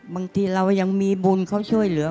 บางทีเรายังมีบุญเขาช่วยเหลือ